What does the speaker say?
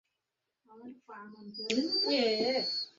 কী কাকতালীয় ব্যাপার, লরেন্স।